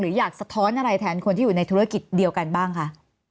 อยากสะท้อนอะไรแทนคนที่อยู่ในธุรกิจเดียวกันบ้างคะ